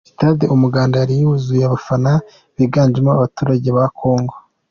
Stade Umuganda yari yuzuye abafana biganjemo abaturage ba Congo.